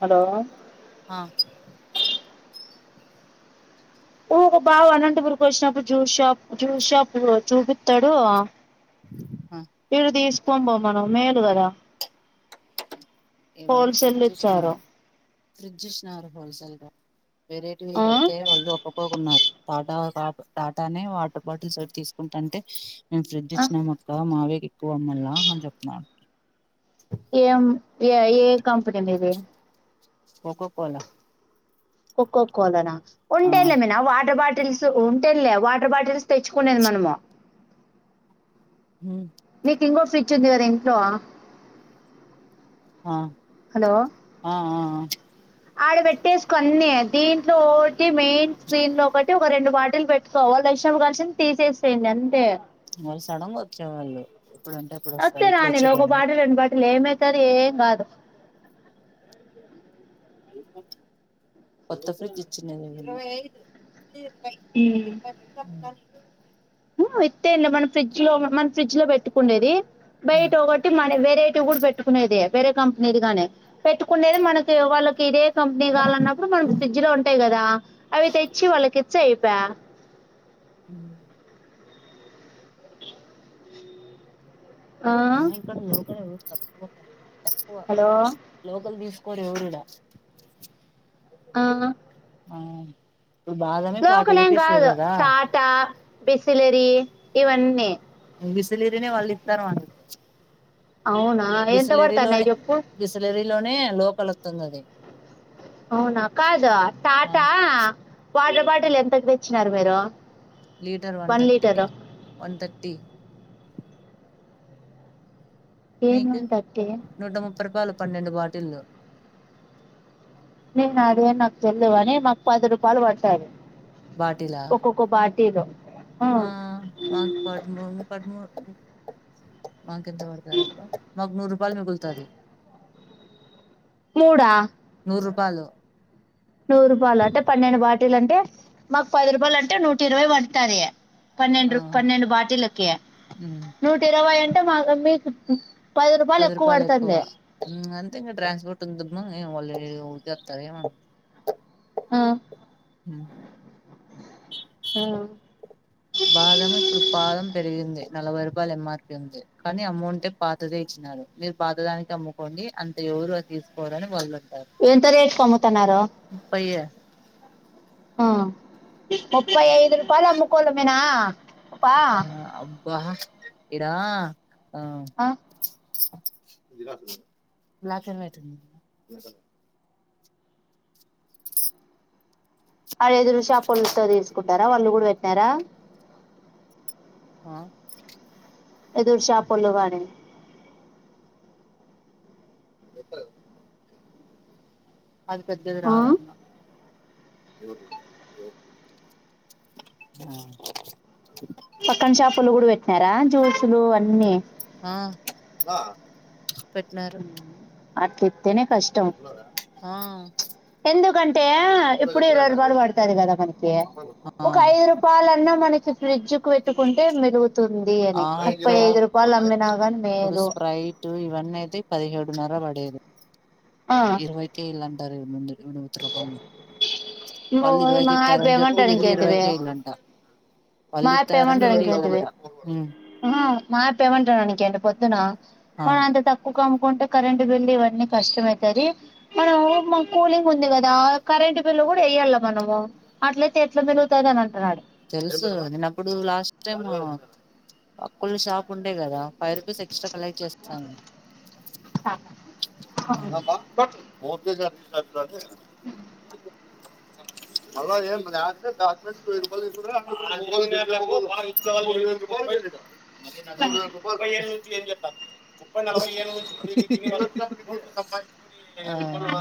Hello అ ఊకొ బావ అనంతపూర్ కొచ్చినప్పుడు జ్యూస్ షాప్ జ్యూస్ షాప్ చూపిత్తాడు ఆ ఈడ్దీస్ పొం బొమ్మను మేలు గద హోల్సేల్లిచ్చారు ఫ్రిడ్జిచ్నారు హోల్ సేల్గా వేరేటివి ఆ పెడితే వాళ్ళు ఒప్పుకోకున్నారు టాటా పా టాటానే వాటర్ బాటిల్స్ ఒకటి తీసుకుంటంటే మేం ఫ్రిడ్జ్ ఆ ఇచ్చినం అక్క మావ ఎక్కువమ్మల్లా అని చెప్న్నారు ఏం ఏ ఏ కంపెనీ మీది కోకో కో లా కోక్కో కో లన ఉంటేల మీ నా వాటర్ బాటిల్స్ ఉంటేంలే వాటర్ బాటిల్స్ తెచ్చుకునేది మనము ఉమ్ నీకు ఇంగో ఫ్రీ చింది గదా ఇంట్లో ఆ హలో ఆ ఆ ఆడ పెట్టేసి కొన్ని దీంట్లో మెయిన్ స్క్రీన్ లో ఒకటి ఒక రెండు బాటిల్ పెట్టుకోవు వాళ్ళు ఏశామ్ కలిసింది తీసేసేయండి అంతే వాళ్ళు సడంగ వచ్చేవాళ్ళు ఎప్పుడు అంటే అప్పుడు వస్తారు ఇప్పుడు వచ్చేపోయినా ఇళ్ళు ఎమ్ ఐతారు ఎమ్ గాదు కొత్త ఫ్రిడ్జ్ ఇచ్చిండు ఇరవై ఇరవై రెండు అత్తది ఇత్తే అండి మన ఫ్రిడ్జ్ లో మన ఫ్రిడ్జ్ లో పెట్టుకుండేది బయట ఒకటి మన వేత్ రేటు కూడా పెట్టుకునేది వేరే కంపెనీది గాని పెట్టుకునేది మనకి వాళ్ళకి ఇదే కంపెనీ కావాలన్నప్పుడు మనం ఫ్రిడ్జ్ లో ఉంటాయి కదా అవి తెచ్చి వాళ్ళకి చెయిప ఉ ఏమో ఆ ఇక్కడ లోకల్ ఎవర్ తక్కువ తక్కువ హలో లోకల్ దిస్ కొరి ఊరుడా ఆ ఆన్ ఇప్పుడు బాదమే ఫార్టీ రుపీస్ గదా బిసిలేరి ఇవన్నీ బిసిలీరినే వాళ్ళు ఇతారు వాన్ అవునా ఎంత వాడుతన్నాయ్ నాయి చెప్పు లోనే లోకల్ వస్తుంది అది అవునా కాద ఆ టాట వాడ్ బాటిల్ ఎంతకు తెచ్చినారు మీరు litre one thirty one thirty ఏను మీకు ఉంటాట్టే నూట ముప్పై రూపాయలు పన్నెండు బాటిల్ లు నేను అదే నాకు తెలువని మాకు పది రూపాయలు వట్టయి బాటిలా తి దో ఆ మాకు పద్ మూడు పద్ మూడు మాకు ఎంత వడుతా రబ్బా మగ్ నూరు రూపాయల్ మిగుల్ త్తది మూడా రూపాలు నూరు రూపాలు అంటే పన్నెండు బ లు అంటే మాకు పది రూపాయలు అంటే నూట ఇరవై పడతాది ఆ పన్నెండు పన్నెండు బాటిలక్కీ ఉమ్ నూట ఇరవై అన్ టె మా వోలే పది రూపాయలు ఎక్కు పడతంది తే ట్రాన్స్పోర్ట్ ఉందమ్మా వాళెతారు ఏమ ఆ హ్మ్ ఆ. బాదం ఇప్పుడు పాదం పెరిగింది నలవై బ ఎంఆర్పి ఉంది కానీ అమౌంటట్ే పాతదే ఇచ్చినారు మీరు పాతదానికి అమ్ముకోండి అంత ఎవరు అది తీసుకోవాలని వాళ్ళ ఎంత రేట్ అమ్ముతున్నారో ముప్పైయ ఆ ముప్పై ఐదు రూపాయ ముకోలు మేనా ఆ అబ్బా ఇద ఆ బ్లాక్ అండ్ వైట్ ఉంది అడేదురుషాప్ల్ తీసుకుంటు ంటారా వాళ్ళు కూడా పెట్టినారా ఆ ఎదురు షాపుళగానీ ఎ అది పెద్దది ఆ రాదన్న పక్కన షాపులు కూడా పెట్టినారా జూల్సులు అన్నీ నా పెట్టినరు అట్లయటనే ఆ ఎందుకంటే ఇప్పుడు ఇరవై రూపాయలు పడుతది కదా మనకి ఆ ఒక ఐదు రూపాయలన్నా మనకి ఫ్రిజ్జు కు పెట్ తుకుంటే మిదుగు ఆ ఇక్కడ గాని ఇప్పుడు మేలు స్ప్రైట్ ఇవన్నీ అయితే పదిహేడు తిన్నార పడేదు ఆ ఇరవైకే ఇళ్ళంటరు ముందు రూపాలు వాళ్ళు నువ్వు మా ఇరవైకి ఆయప్ప ఇస్తారని చెప్పి ఏమంటాడు వెళ్ళు ఇంకేంటివి ఇరవైకే ఇళ్ళంట మా ఆయప్ప వాళ్ళిత్తన్నారని ఏమంటాడు వీళ్ళు ఇల్లంట ఊ మాయప్ప ఏం అంటాడనుకోయింటివి పొద్దున ఆ కాన్ అంత తక్కువ్ క్కువమ్కుంటే కరెంట్ బిల్ ఇవన్నీ కష్టమ అయితది మనకు కూలింగ్ ఉంది కదా కరెంట్ బిల్ కూడా ఎయ్యల్ల మనము అట్లయితే ఎట్లా మిలుగుతది అని అంటన్నాడు. తెలుసు నేను అప్పుడు లాస్ట్ టైమ్ అకుల్ షాప్ ఉండే కదా ఫైవ్ రూపీస్ ఎక్స్ట్రా కలెక్ట్ చేస్తాను. రాప్ప ఒర్ చూసినర్ [unintelligible] మాల్ల ఎమ్ డాక్ డాక్టర్స్ లేడు [unintelligible] మూడు వేల రూపాయలు ఏం చేత్తాంటివి ముప్పై నలభై ఏళ్ళ నుంచి కోట్లు సంపాఇంచి [unintelligible]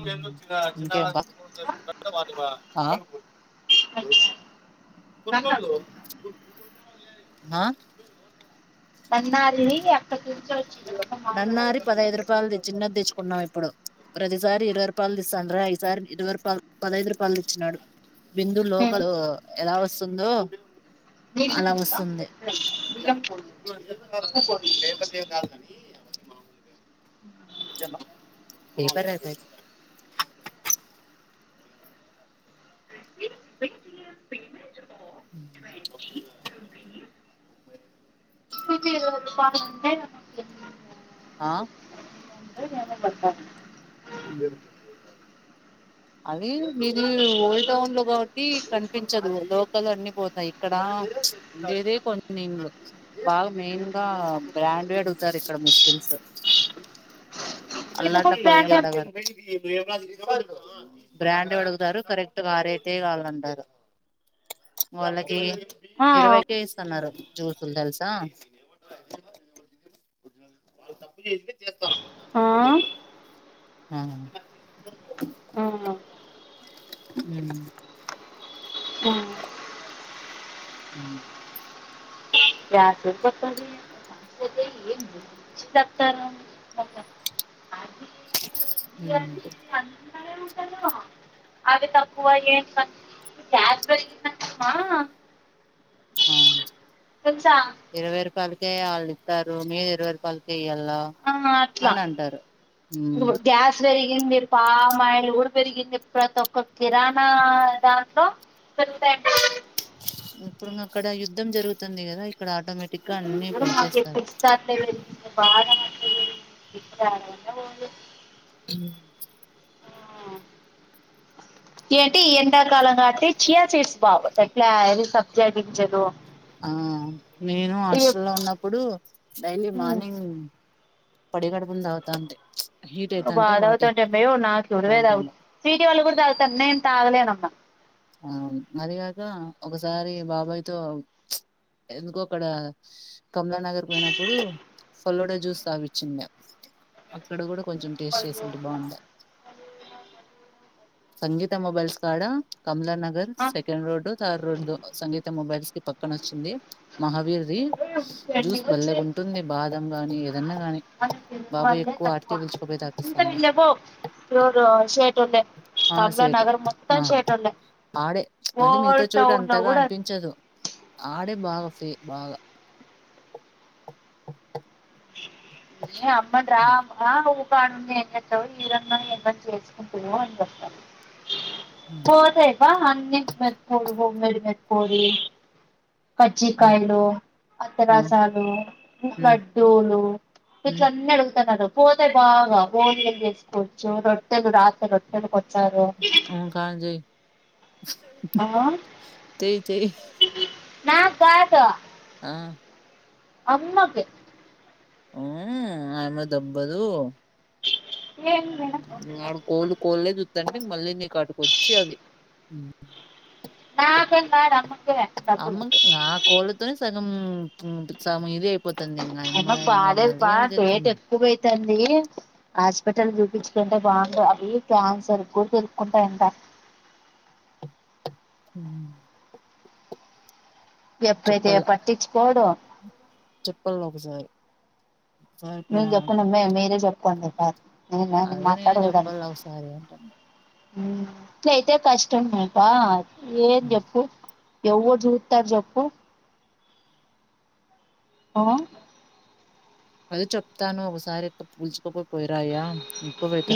నిజంగా ఆ [unintelligible] కొత్తోల్లు ఎవరు ఆ నన్నారి అక్కకి నన్నారి పదహైదు రూపాయలది చిన్నది తెచ్చుకున్నా ఇప్ ఇప్పుడు ప్రతిసారి ఇరవై రూపాయలు ఇస్తాండ్ర ఈసారి ఇరవై రూపాయల్ పదైదు రూపాయలు ఇచ్చినాడు. బిందు లోకలు ఎలా వస్ స్తుందొ [unintelligible] మామూలుగా పేపర్ అయితే రిసీవ్డ్ పేమెంట్ ఆఫ్ [inaudible] [unintelligible] ఆ [unintelligible] ఊ అది మిది ఓల్డ్ టౌన్ లో కాబట్టి కనిపించదు లోకల్ అన్ని పోతాయి ఇక్కడ ఉండేది కొన్ని ఇల్లు బాగా మెయిన్ గా బ్రాండే అడుగుతారు ఇక్కడ ముస్లిమ్స్ అల్లాటప్ప వేమడగరు. [inaudible] బ్రాండ్ అడుగుతారు కరెక్ట్ గా ఆ రేటే కావాలంటారు. వాళ్లకి ఇరవై కే ఇస్తన్నారు జూసులు తెలుసు దా [inaudible] ఆ ఉమ్ ఉమ్ రాత్రికి వస్తాదిలే [inaudible] ఊహు అవి తక్కువ ఏం తక్ [inaudible] ఆ వచ పది కే వాళ్ళు ఇస్తారు మీరు ఇరవే రూపాయలకే ఇయ్యాలి ఆ అట్లా ఊ ఉమ్ గ్యాస్ పెరిగి ఇంది పామాయిల్ కూడా పెరిగింది ప్రతి ఒక్క కిరాణా దాంట్లో పెరుగుతాండేది ఇప్పుడు ఉంగ్ అక్కడ యుద్ధం జరుగుతుంది కదా ఇక్కడ ఆటోమేటిక్ గా అన్ని మాకి పెంచేస్తారు బాగా ఇప్పుడు హమ్ ఆ ఏంటి ఎండాకాలం కాబట్టి చియా సీడ్స్ బాబ అట్లే చేదించదు ఆ నేను హాస్టల్ లో ఉన్నప్పుడు డైలీ ఇవి మార్నింగ్ పడి గడుపున తాగుతా అంటి బాద తంట నా చూరువేద బాగుంటుంది చటీ వాళ్లు కూడా ద తన్నే ఎంత ఆలేనమ్మ ఆ అదిగాక ఒకసారి బాబాయ్తో ఎందుకో అక్కడ కమలా నగర్ పోయినప్పుడు ఫలోడ జ్యూస్ సాపిచింది అక్కడ కూడా కొంచెం టేస్ట్ చేసింటే బాగుండ సంగీత మొబైల్స్ కార్డా కమలా నగర్ ఆ సెకండ్ రోడ్ థడ్ రోడ్ సంగీత మొబైల్స్ పక్కన వచ్చింది మహావీర్ అక్కడ బాదం గాని ఏదన్నా గాని బాబాయ్ ఎక్కువ ఆటికే పిలుచుకుపోయి తాపిస్తాండే ఆ సేటు మొత్తం ఆ షటోల్లే ఆడే మళ్ళీ మీగతో చోటు అంతగ అనిపించదు ఆడే బాగా ఫ బాగ న అమ్మం రా వాడుండి ఎం చెత్తవ్ ఈ రంగం ఎంచేసుకుంటుో అని చెప్పారు పోదయ బ అన్ని పెద్ద బమ్డమ పోయి కజ్జికయలు అత్తరసాలు లడ్డూలు ఇట్లన్నీ అడుగుతన్నారు పోతే బాగా బోందిలు చేసుకోవచ్చు రొట్టెలు రాత రొట్టెలు కొ ఉం కాజీ ఆ చెయ్ నా కాట ఆ అమ్మాకి అ అమె దొబ్బదు ఆడ కోళ్ళు కోళ్లే చూత్తండి మళ్ళీ నీ కా అటుకి వచ్చి అది నాకంద నమక డబ్బులు నొమ్ ఇది అయిపోతుంది ఇంకా అమ్మాయి ఇంకా మళ్ళీ అడదిస్తుంది తంది హాస్పిటల్ చూపించుకుంటే బాగుంటది అవి క్యాన్సర్ కూడా పెరుకుంటాయంట ఉం ఎప్పుైతే పట్టించుకోడు చెప్పల్ల ఒకసారి ఒకసారి మీ పోయినామని జప్పతమ్మే మేరే జప్ప కొంది సార్ అదే నేను చెప్పాలి ఒకసారి అంటున్న ట్ల యితే కష్టం అబ్బా ఏం చెప్పు ఎవో చూతారు జప్పు అ అది చెప్తాను ఒకసారి పూల్చుకోపో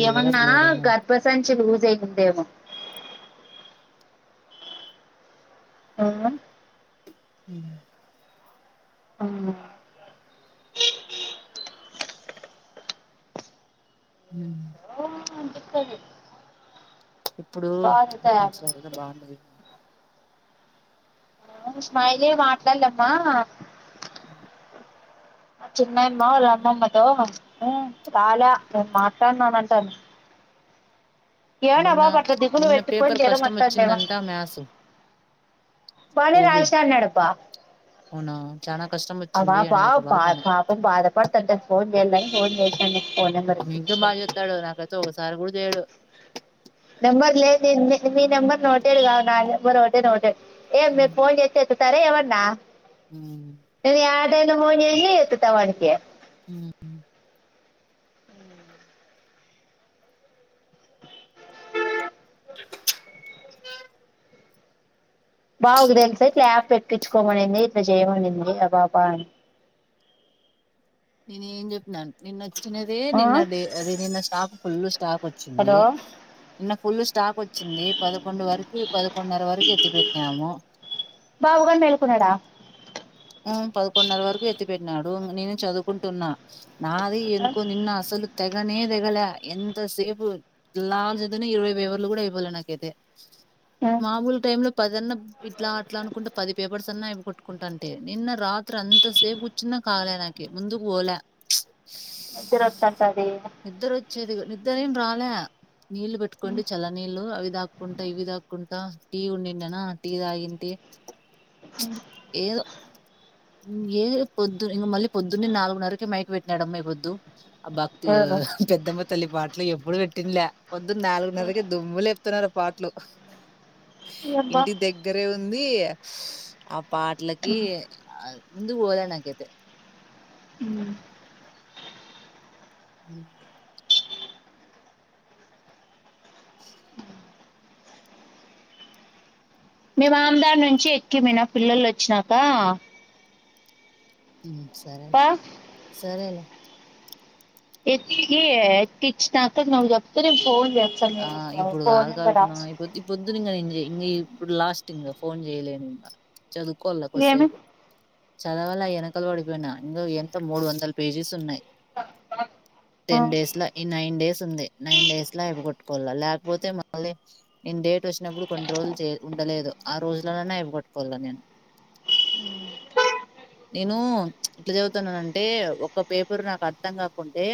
ఏమన్నా బ్లీడింగ్ అని గర్భసంచి లూజ్ అయి ఉందేమో అ ఉం అవునా ఉం చెక్కది ఇప్పుడు సరగ్గా బాగున్నది మాట ఆ స్మయిలే మాట్లాలమ్మా చిన్నయమ్మ రమ్మమ్మతో రాలా నేను మాట్లాడును అంటాంది మొన్న దిగులు నిన్న పెట్టుకొని పేపర్ జ్వరం కష్టం వత్తాందేమో వచ్చిందంట మ్యాస్ బనే రాశ అన్నాడు పా అవునా చానా కష్టం అ వచ్చింది అని పా ఒక బ బాబు అనే పాపం బాధపడుతంట ఫోన్ చేని ఫోన్ చే అనే వింటూ మాయేస్తాడు నాకైతే ఒక్కసారి కూడా చే ఏడు నెంబర్ లేదు ని మీ నెంబర్ నోటేడుగా నా నెంబర్ ఒకటే నాటేడ్ ఏం మేం ఫోన్ చేత్తేత్తులే సరే అవన్నా హ ఎప్పుడైనా ఫోన్ చేయి ఎత్తుత వాడికి ఉమ్ బాబుకు తెలుసా ఇట్లా యాప్ ఎక్కించుకోమనింది ఇట్లా చేయమనింది బాబా అని నేను ఏం చెప్పినాను నిన్నచ్చ చె అదే ఆ? నిన్న అదే నిన్న స్టాప్ ఫుల్ స్టాప్ వచ్చింది హలో నిన్న ఫుల్ స్టాక్ వచ్చింది పదకొండు వరకు పదకొండున్నర వరకు ఎత్తి పెట్టినాము బాబు గారు మేలుకున్నాడా ఆ పదకొండున్నర వరకు ఎత్తి పెట్టినాడు నేను చదువుకుంటున్నా నాదే ఆ? ఎందుకో నిన్న అసలు తెగనే తెగలే ఎంత సేపు లా చేద్దనే ఇరవై పేపర్లు కూడా ఇవ్వలే నాకైతే ఆ. మా బూల్ టైం లో పదిన్నా ఇట్లా అట్లా అనుకుంటే పది పేపర్స్ అయిపోగొట్టుకుంటాను నిన్న రాత్రి అంత సేపు కూచున్న కాగలే నాక ముందుకు పోలే నిద్ర అత్త అంటాది నిద్ర వచ్చేది నిద్ర ఏం రాలే నీళ్లు పెట్టుకోండి చాలా నీళ్లు అవి తాకుంటా ఇవి తాకుంటా టీ ఉండే డా నా టీ తాగి ఏదో ఏ పొద్దు ఇం మళ్ళీ పొద్దుడి నాలుగున్నరకే మైక్ పెట్టినాడు అమ్మ పొద్దు అబ్బా ఎవరు? పెద్దమ్మ తల్లి పాట ఇట్లా ఎప్పుడు పెట్టిందిలే పొద్దున్న నాలుగున్నరకి దుమ్ములుపుతున్నారు పాటలు బా. ఇంటి దగ్గరే ఉం ఉంది ఆ పాటలకి ముందు పోద నాకైతే అ మే మామదా నుంచి ఎక్కిమనా పిల్లలు వచ్చినాక ఉ సరే లే బా సరేలే ఎత్కి ఎక్కించినాక నవ చెప్త ఫన్ చె ఆ ఇప్పుడు కాదుగాలు తున్నా అయిపోతే పొద్దున అరెండ్ చెయి లాస్ట్ ఇంకా ఫోన్ చేయలే ఇంకా చదువుకోల కొ ఏమి స్సేపు చదవల్ల వెనకలు పడిపోయిన ఇ ఎంత మూడు వందల పేజెస్ ఉన్నాయి టెన్ డేస్ ల ఈ నైన్ డేస్ ఉంది నైన్ డేస్ లఅయి ట్టుకో లేకపోతే మళ్ళీ నేను డేట్ వచ్చినప్పుడు కొన్ని రోజులు ఉండలేదు ఆ రోజులలోనే ఇవిగట్టుకోాల నేను ఎట్లా చదువుతున్నానంటే ఒక పేపరు నాకు అర్థం కాకుంటే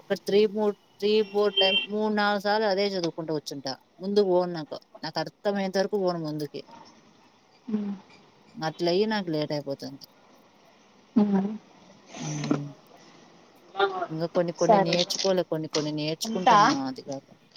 ఒక three four three four time మూడు నాలుగు మూడు సార్లు అదే చదువుకుంటూ కూర్చుంటా ముందు పోను నాకు నాకు అర్థంమయేంత వరకు పోను ముందుకి అట్ల అయిి నాకు లేట్ అయిపోతది అవును మరి మ్ ఇంక కొన్ని కొన్ని సరే నేర్చుకోవాలి కొన్ని కొన్ని ఉంటా నేర్చుకుంటున్నా అది కాక